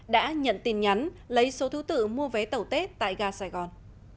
đã nhận tin nhắn lấy số thứ tự mua vé tàu tết tại gà sài gòn